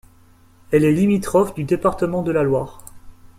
Elle est limitrophe du département de la Loire.